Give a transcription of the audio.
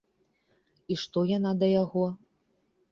І што яна да яго?